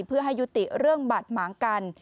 เพื่อให้ยุติเรื่องบาดหมางกัน